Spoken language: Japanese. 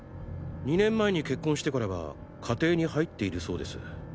２年前に結婚してからは家庭に入っているそうです。